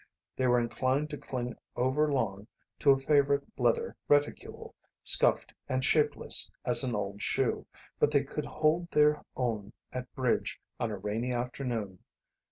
They were inclined to cling over long to a favourite leather reticule, scuffed and shapeless as an old shoe, but they could hold their own at bridge on a rainy afternoon.